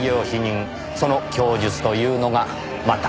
その供述というのがまたなんとも。